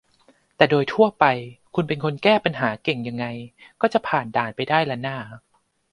แต่โดยทั่วไปคุณเป็นคนแก้ปัญหาเก่งยังไงก็จะผ่านด่านไปได้ล่ะน่า